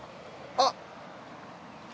あっ！